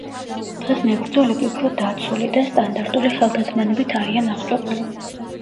დღეს მებრძოლები უფრო დაცული და სტანდარტული ხელთათმანებით არიან აღჭურვილნი.